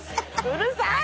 うるさい！